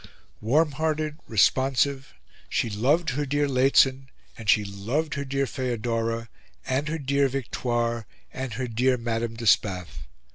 Warm hearted, responsive, she loved her dear Lehzen, and she loved her dear Feodora, and her dear Victoire, and her dear Madame de Spath.